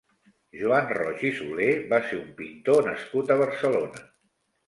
Joan Roig i Soler va ser un pintor nascut a Barcelona.